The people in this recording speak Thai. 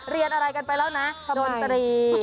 เรียนอะไรกันไปแล้วนะคมนตรี